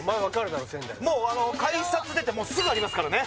もうあの改札出てもうすぐありますからね